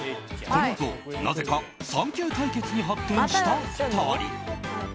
このあと、なぜかサンキュー対決に発展した２人。